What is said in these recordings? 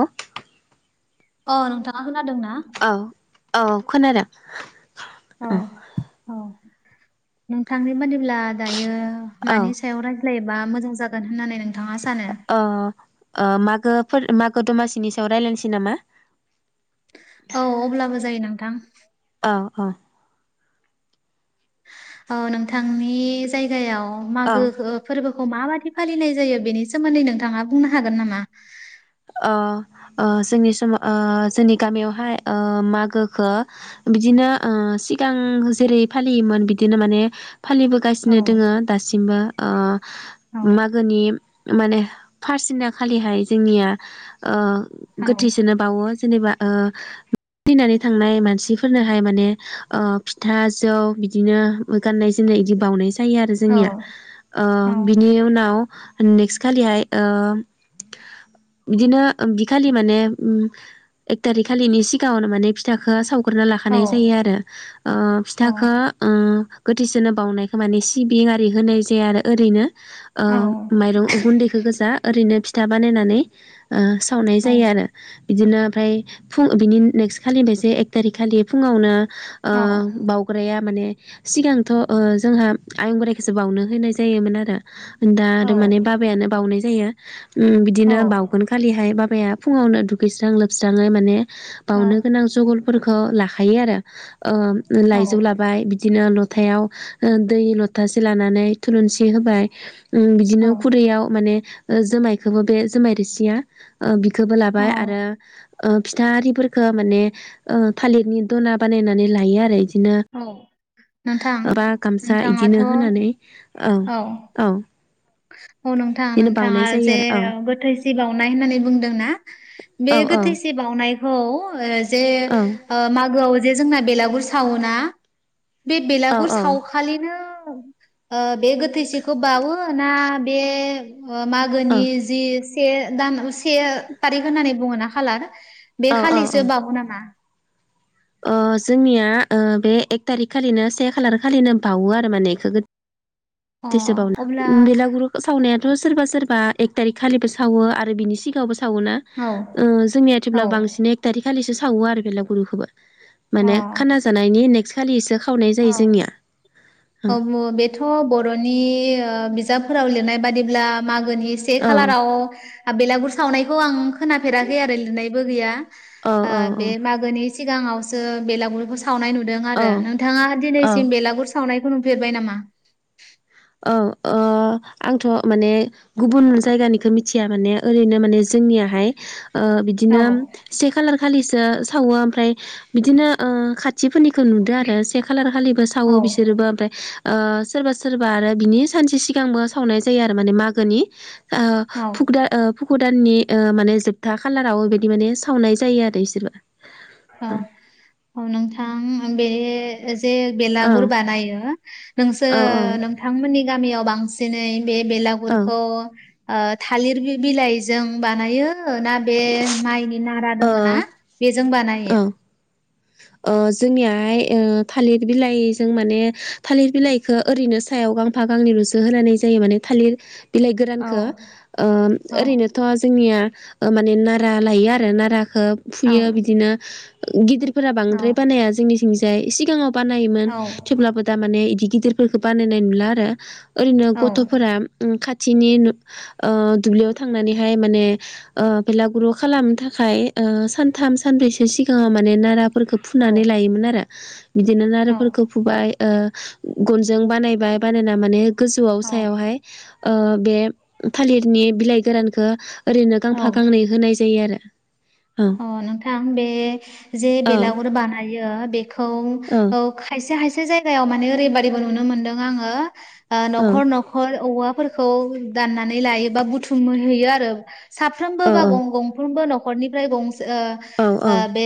हा। अ नोंथाङा खोनादों ना? औ औ खोनादों। औ औ नोंथांनि बादिब्ला दायो औ मानि सायाव रायज्लायोबा मोजां जागोन होननानै नोंथाङा सानो? अ ओ मागो फोर मागो दमासिनि सायाव रायज्लायनसै नामा? औ अब्लाबो जायो नोंथां। औ औ। औ नोंथांनि जायगायाव औ मागोखो फोरबोखौ माबादि फालिनाय जायो बेनि सोमोन्दै नोंथाङा बुंनो हागोन नामा? अ ओ जोंनि समाव ओ जोंनि गामियावहाय ओ मागोखो बिदिनो ओ सिगां जेरै फालियोमोन बिदिनो माने औ फालिबोगासिनो दोङो दासिमबो ओ औ मागोनि माने फारस दिना खालिहाय जोंनिया ओ औ गोथैसोनो बावो जेनेबा ओ थैनानै थांनाय मानसिफोरनोहाय माने ओ फिथा जौ बिदिनो ओ गाननाय जोमनाय इदि बावनाय जायो आरो जोंनिया ओ औ बिनि उनाव नेक्स्ट खालिहाय ओ बिदिनो ओ बि खालि माने उम एक थारिक खालिनि सिगाङाव माने फिथाखो साव गोरना औ लाखानाय जायो आरो। ओ औ फिथाखो उम गोथैसोनो बावनायखौ माने सिबिं आरि होनाय जाया आरो ओरैनो ओ औ माइरं ओ गुन्दैखौ गोजा ओरैनो फिथा बानायनानै ओ सावनाय जायो आरो इदिनो आमफ्राय फुं ओ बिनि नेक्स्ट खालिनो जे एक थारिक खालि फुङावनो ओ बाव ग्राया माने सिगांथ' ओ जोंहा आयं बोराइखौसो बावनो होनाय जायोमोन आरो दा औ आरो माने बाबायानो बावनाय जायो। उम औ बिदिनो बावगोन खालिहाय बाबाया फुङावनो दुगैस्रां लोबस्राङै माने बावनो गोनां जुगलफोरखौ लाखायो आरो ओ औ लाइजौ लाबाय बि दिनो लथायाव ओ दै लथासे लानानै थुलुनसि होबाय उम बिदिनो खुरैयाव माने ओ जोमायखोबो बे जोमाय रिसिया ओ बिखौबो लाबाय औ आरो ओ फिथा आरिफोरखो माने ओ थालिरनि दना बानायनानै लायो आरो इदि इनो औ नोंथां बा गामसा इदिनो नोंथाङाथ' होनानै औ औ औ नोंथां बिदिनो बाउनाय नोंथाङा जायो जे आरो गोथै सि बावनाय होननानै बुंदोना बे औ औ गोथैसि बावउनायखौ ओ जे औ ओ मागोआव जे जोंना बेलागुर सावोना बे औ बेलागुर औ साव खालिनो बे गोथैसिखौ बावो ना बे औ मागोनि जि से दान से थारिख होननानै बुङो ना खालार बे औ औ खालिसो बावो नामा जोंनिया बे एक थारिख खालिनो से खालार खालिनो बावो आरो माने बे अ थैसे अब्ला बावला बेला गुरु सावनायाथ' सोरबा सोरबा एक थारिक खालिबो सावो आरो बिनि सिगाङावबो सावो ना औ जोंनिया औ थेवब्लाबो बांसिन एक थारिक खालिसो सावो आरो बेलागुरुखौबो अ माने खाना जानायनि नेक्स खालिसो खावनाय जायो अ जोंनिया औ बेथ' बर'नि ओ बिजाबफोराव लिरनाय बादिब्ला मागोनि से औ औ खालाराव बेलागुर सावनायखौ आं खोनाफेराखै आरो लिरनायबो गैया औ ओ बे औ मागोनि सिगाङावसो बेलागुरखौ सावनाय नुदों आरो औ नोंथाङा औ दिनैसिम बेलागुर सावनायखौ नुफेरबाय नामा? औ ओ ओ आंथ' माने गुबुन जायगानिखौ मिथिया माने ओरैनो माने जोंनियाहाय ओ औ बिदिनो से खालार खालिसो सावो ओमफ्राय बिदिनो खा थिफोरनिखौ नुदो आरो से खालार खालिबो सावो औ बिसोरबो ओमफाय ओ सोरबा सोरबा बा आरो बिनि सानसे सिगांबो सावनाय जायो आरो माने मागोनि ओ औ पुक फुखु दाननि माने जोबथा खालाराव बेबायदि माने सावनाय जायो आरो बिसोरबो औ औ नोंथां बे जे औ बेलागुर बानायो नोंसो औ नोंथांमोननि गामियाव बांसिनै बे औ बेलागुर बेलागुरखौ थालिर बिलाइजों बानायो ना बे माइनि नारा ओ दोङो ना बेजों औ बानायो ओ जोंनियाहाय ओ थालिर बिलाइजों माने थालिर बिलाइ खो ओरैनो सायाव गांफा गांनैलसो होनोलाय जायो माने थालिर बिलाइ औ गोरानखौ ओ औ ओरैनोथ' जोंनिया ओ मा निन नारा लायो आरो नाराखौ औ फुयो बिदिनो गिदिरफोरा औ बांद्राय बानाया जोंनि थिंजाय सिगाङाव बानायोमोन औ थेवब्लाबो दा माने बिदि गिदिरफोरखौ बानायनाय नुला आरो ओरैनो औ गथ'फोरा खाथिनि दुब्लियाव थांनानैहाय माने ओ बेलागुरु खालामनो थाखाय सानथाम सानब्रैसो सिगाङाव माने नारा फोरखौ फुनानै लायोमोन आरो बिदिनो औ नाराफोरखौ फुबाय गनजों बानायबाय बानायना माने गोजौआव औ सायावहाय बे थालिरनि बिलाइ गोरानखौ ओरैनो गांफा औ गांनै होनाय जायो आरो औ अ नोंथां बे जे औ बेलागुर बानायो बेखौ औ खायसे खायसे जायगायाव माने ओरैबायदिबो नुनो मोनदों आङो औ न'खर न खर औवाफोरखौ दाननानै लायो बा बुथुम होयो आरो साफ्रोमबो औ बा गंफ्रोमबो न'खरनिफ्राय गंसे ओ औ ओ बे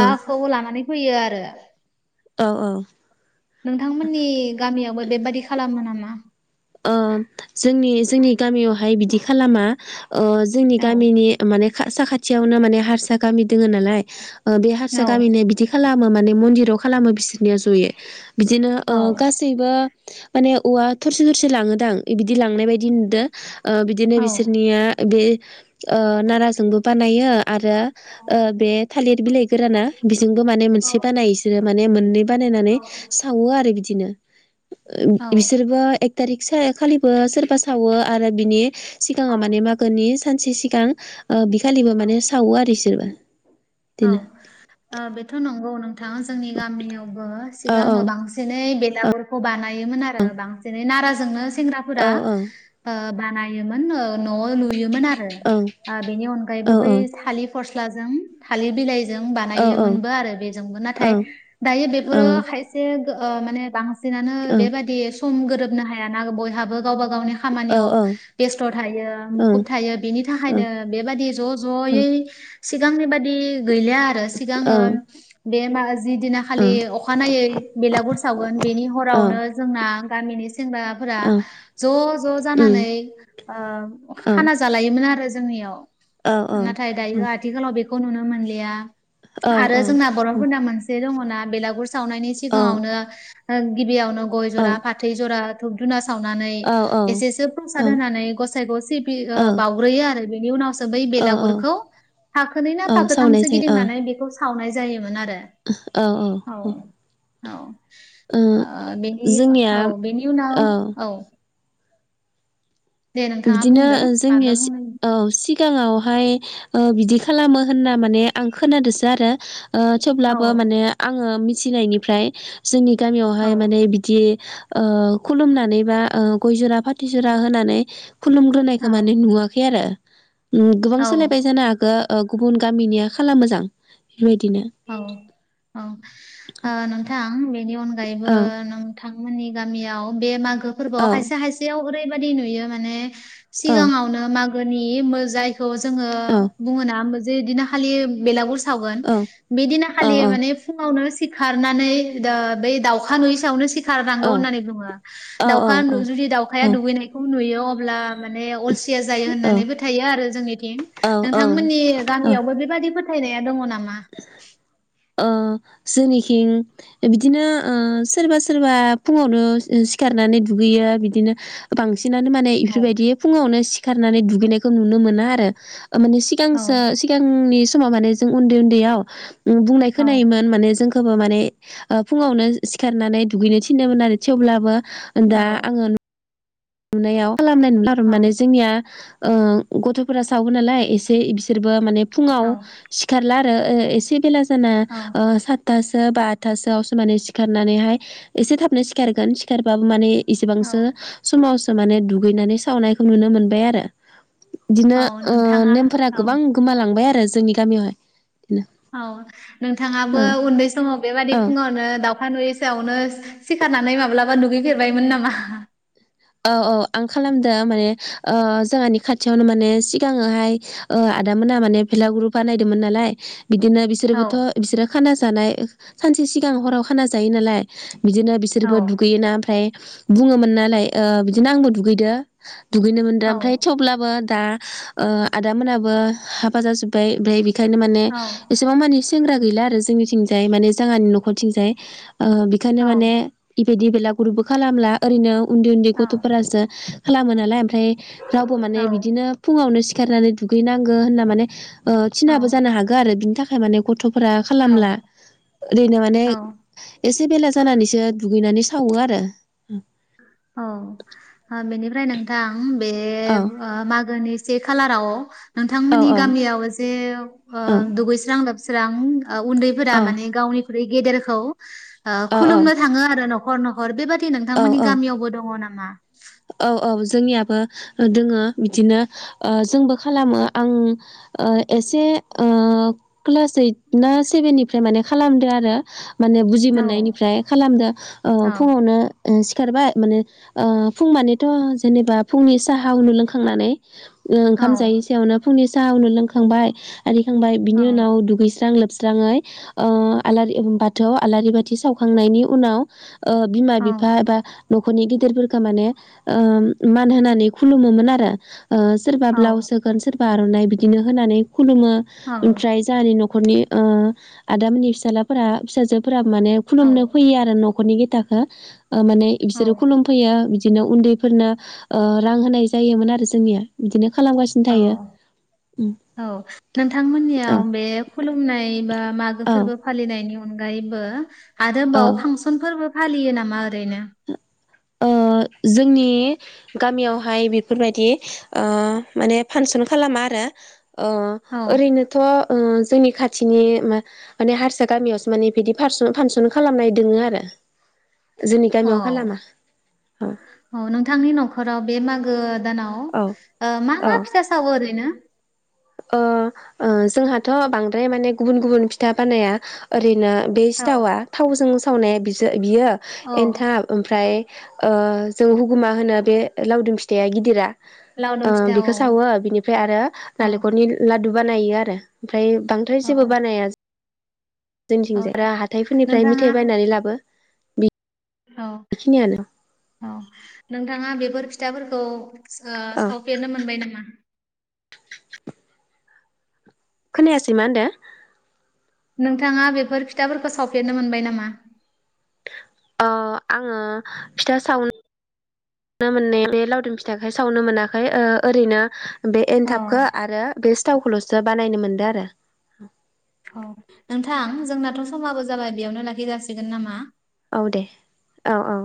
औ लानानै फैयो आरो औ औ नोंथांमोननि गामियावबो बेबादि खालामो नामा? ओ जोंनि जोंनि गामियावहाय बिदि खालामा जोंनि औ गामिनि माने साखाथियावनो माने हारसा गामि दोङो नालाय बे हारसा गामिनि बिदि खालामो माने मन्दिराव खालामो बिसोरनिया जयै बिदिनो ओ औ सैबो माने औवा थरसे थरसे लाङोदां बिदि लांनाय बायदि नुदों। ओ बिदिनो औ बिसोरनिया बे ओ नाराजोंबो बानायो। आरो ओ बे थालिर बिलाइ गोराना बिजोंबो माने औ मोनसे बानायो इसोरो माने मोननै बानायनानै औ सावो आरो बिदिनो बिसोरबो एक थारिख खालिबो सोरबा सावो आरो बिनि सिगाङाव औ माने मागोनि सानसे सिगां ओ बिखालिबो औ माने सावो आरो बिसोरबो। बिदिनो औ बेथ' नंगौ नोंथां जोंनि गामियावबो औ औ सिगाङो बांसिन बांसिनै बेलागुरखौ बानायोमोन आरो बांसिनै नाराजोंनो सेंग्राफोरा औ ओ बानायोमोन न'लुयोमोन आरो औ बेनि अनगायैबो औ बै थालिर फस्ला जों थालिर बिलाइ जों औ बानायो मोनबो आरो बेजोंबो औ नाथाय दायो बेफोरो औ खायसे माने बांसिन सिनानो बेबाददि सम गोरोबनो हायाना बयहाबो गावबा गावनि औ उम औ खामानियाव बेस्थ' थायो मुखुब थायो बेनि थाखायनो बेबादि ज' औ ज'यै सिगांनि बादि गैलिया आरो सिगाङो बे मा जिदिना औ खालि अखानायै बेलागुर सावगोन बेनि हरावनो जोंना गामिनि सेंग्रा फोरा ज' ज' जानानै ओ खाना जालायोमोन आरो जोंनियाव औ नाथाय दायो आथिखालाव बेखौ नुनो मोनलिया आरो जोंना बर'फोरना मोनसे से दङना बेलागुर सावनायनि सिगाङावनो गिबियावनो गय जरा फाथै जरा धुब धुना सावनानै एसेसो प्रसाद होनानै गसाइखौ सिबि बावग्रोयो आरो बेनि उनावसो बै औ बेलागुरखौ फाखोनै सावनाय फाखोथामसो जायो औ गिदिंनानै बेखौ सावनाय जायोमोन आरो औ औ औ ओ बेनि जोंनिया औ बेनि उनाव औ दे नोंथाङा बिदिनो बुंदो ओ माबा जोंनि सि बुंनो औ सि गाङावहाय ओ बिदि खालामो होनना माने आं खोनादोंसो आरो ओ औ थेवब्लाबो माने आङो मिथिनायनिफ्राय जोंनि औ गामियावहाय माने बिदि ओ खुलुमनानै बा ओ गय जरा फाथि जरा होनानै खुलुमग्रोनायखौ औ माने नुवाखै आरो उम गोबां सोलायबाय औ जानो हागो ओ गुबुन गामिनिया खालामो जां बेबायदिनो। औ औ ओ नोंथां बेनि अनगायैबो औ नों थांमोननि गामियाव बे मागो फोरबोआव औ खायसे खायसेयाव ओरैबाददि नुयो माने औ सिगाङावनो मागोनि मो जायखौ जोङो औ गुबुनाबो जेदिना खालि बेलागुर सावगोन औ बेदिना औ खालि माने समावनो सिखारनानै दो बेै दाउखा नुयै सावनो सि सिखारनांगौ औ होननानै बुङो औ दाउ जुदि दाउखाया दुगैनायखौ नुयो अब्ला माने अलसिया जायो होननानैबो थायो आरो जोंनिथिं औ औ नोंथांमोननि औ गामियावबो बेबादि फोथायनाया दङ नामा? ओ जोंनिखिं बिदिनो ओ सोरबा सोरबा फुङावनो ओ सिखारनानै दुगैयो बिदिनो बांसिनानो माने औ इफोरबायदि फुङावनो सिखारनानै दुगैनायखौ नुनो मोना आरो ओ माने औ सिगांसो सिगांनि समाव माने जों उन्दै उन्दैयाव उम बुंनाय औ खोनायोमोन माने जों बो माने फुङावनो सिखारनानै दुगैनो थिननोमोन आरो थेवब्लाबो दा औ आङो नुनायाव खालामनाय नुला आरो औ माने जोंनिया ओ गथ'फोरा सावो नालाय एसे बिसोरबो माने फुङाव औ सिखारला ओ ओ इसे बेला जाना औ ओ सास्तासो बा आत्थासोआवसो माने सिखारनानैहाय एसे थाबनो सिखारगोन सिखारबाबो माने औ इसेबांसो समावसो माने दुगैनानै सावनायखौ नुनो मोनबाय आरो औ बिदिनो ओ नोंथाङा नेमफोरा औ गोबां गोमालांबाय आरो जोंनि गामियावहाय। बिदिनो औ नोंथाङाबो औ उन्दै समाव बेबादि औ फुङावनो दाउ दाउखा नुयैसोयावनो सिखारनानै माब्लाबा दुगैफेरबायमोन नामा? औ औ आं खालामदों माने ओ जोंहानि खाथियावनो माने सिगाङोहाय ओ आदामोना माने बेलागुर बानायदोंमोन नालाय बिदिनो बिसोर औ बिसोरबोथ' बिसोरो खाना जानाय सानसे सिगां हराव खाना जायो नालाय बिदिनो बिसो औ रबो दुगैयोना ओमफ्राय बुङोमोन नालाय ओ बिदिनो आंबो दुगैदों। दुगैनो मोनदों औ ओमफ्राय थेवब्लाबो दा ओ आदामोनाबो हाबा जाजोबबाय ओमफ्राय बेखायनो माने औ एसेबां माने सेंग्रा गैला आरो जोंनिथिंजाय माने जोंहानि न'खरथिंजाय बेखायनो औ माने बेबायदि बेलागुरुबो खालामला ओरैनो उन्दै उन्दै औ गथ'फोरासो खालामो नालाय ओमफ्राय रावबो माने बिदिनो फुङावनो सिखारनानै दुगैनांगो होनना माने थिनाबो जानो हागौ। आरो बिनि थाखाय माने गथ'फोरा औ खालामला ओरैनो माने औ एसे बेला जानानैसो दुगैनानै सावो आरो औ ओ बेनिफ्राय नोंथां बे औ ओ मागोनि से खालाराव औ नोंथांमोननि औ गामियाव जे ओ औ दुगैस्रां-लोबस्रां उन्दैफोरा औ माने गावनिख्रुइ गेदेरखौ ओ औ औ खुलुमनो थाङो आरो न'खर न'खर बेबादि औ नोंथांमोननि औ गामियावबो दङ नामा? औ औ जोंनियावबो दङ' बिदिनो ओ जोंबो खालामो। आं ओ एसे ओ क्लास ओइट ना सेभेननिफ्राय माने खालामदो आरो माने बु बजि औ मोननायनिफ्राय खालामदो ओ औ फुङावनो सिखारबाय माने ओ फुं मानेथ' जेनेबा फुंनि साहा लोंखांनानै ओ औ ओंखाम जायैसायावनो फुंनि साहा उनाव लोंखांबाय आरिखांबाय औ बिनि उनाव दुगैस्रां-लोब स्रायै ओ आलारि बाथौ आलारि बाथि सावखांनायनि उनाव ओ औ बिमा-बिफा एबा न'खरनि गिदिरफोरखौ माने ओ मान होनानै खुलुमोमोन आरो ओ सोरबा ब्लाउस हो गोन सोरबा आर'नाइ बिदिनो होनानै खुलुमो। औ ओमफ्राय जोंहानि न'खरनि ओ आदामोननि फिसालाफोरा फिसाजोफोरा माने औ खुलुमनो फैयो आरो न'खरनि गेथाखो ओ माने बिसोरो औ खुलुमफैयो। बिदिनो उन्दैफोरनो ओ रां होनाय जायोमोन आरो जोंनिया बिदिनो खालामगासिनो। औ थायो उम औ औ नोंथांमोननियाव बे खुलुमनाय बा मागो औ फोरबो फालिनायनि अनगायैबो औ आरोबाव फां सन फोरबो फालियो नामा ओरैनो? ओ जोंनि गामियावहाय बेफोरबायदि ओ माने फांसन खालामा आरो ओ औ ओरैनोथ' ओ जोंनि खाथिनि माने हारसा गामियावसो माने बिदि फारसन फांसन खालामनाय दोङो आरो। जोंनि औ गामियाव खालामा। औ औ नोंथांनि न'खराव बे मागो दानाव औ ओ मा मा फिथा सावो ओरैनो? ओ ओ जोंहाथ' बांद्राय माने गुबुन गुबुन फिथा बानाया ओरैनो बे औ सिथावा थावजों सावनाया बि बियो औ एन्थाब ओमफ्राय ओ जों हुगुमा होनो बे लावदुम फिथा गिदिरा ओ लावदुम फिथा बेखौ औ सावो। बिनिफ्राय आरो औ नालें खरनि लादु बानायो आरो ओमफ्राय बांद्राय औ जेबो बानाया। औ जोंनिथिंजाय दा आरो हााइफोरनिफ्राय नोंथाङा मिथाइ बायनानै लाबो औ बेखियानो औ नोंथाङा बेफोर फिथाफोरखौ ओ औ सावफेरनो मोनबाय नामा? खोनायासै मा होनदों। नोंथाङा बेफोर फिथाफोरखौ सावफेरनो मोनबाय नामा? ओ आङो फिथा सावनो बे मोनै बे लावदुम फिथाखाय सावनो मोनाखै ओ ओरैनो बे औ एनथाबखौ आरो बे सिथावखौल'सो बानायनो मोनदो आरो। औ नोंथां जोंनाथ' समाबो जाबाय बेयावनो लाखि जासिगोन नामा? औ दे औ औ।